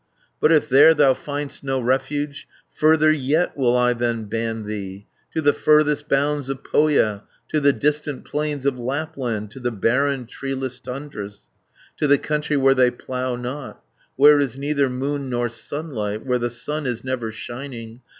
"But if there thou find'st no refuge, Further yet will I then ban thee, To the furthest bounds of Pohja, To the distant plains of Lapland, 410 To the barren treeless tundras, To the country where they plough not, Where is neither moon nor sunlight, Where the sun is never shining.